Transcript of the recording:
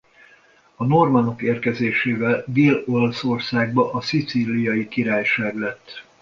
A normannok érkezésével Dél-Olaszországba a Szicíliai Királyság lett.